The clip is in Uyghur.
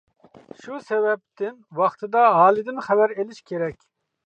شۇ سەۋەبتىن ۋاقتىدا ھالىدىن خەۋەر ئېلىش كېرەك.